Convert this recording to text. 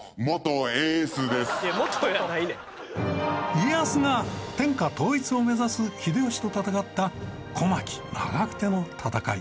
家康が天下統一を目指す秀吉と戦った小牧・長久手の戦い。